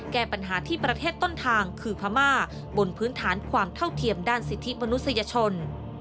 แก้ปัญหาที่ประเทศต้นทางคือพม่าบนพื้นฐานความเท่าเทียมด้านสิทธิมนุษยชน